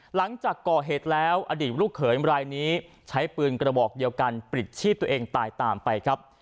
หลังจากก่อเหตุแล้วอดีตลูกเขยมรายนี้ใช้ปืนกระบอกเดียวกันปลิดชีพตัวเองตายตามไปครับ